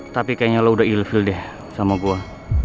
tapi kayaknya lo udah ill feel deh sama gue